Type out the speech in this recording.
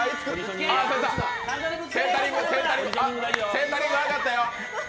センタリング、上がったよ。